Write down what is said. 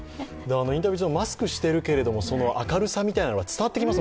インタビュー中もマスクしているけれども、明るさみたいなのが伝わってきます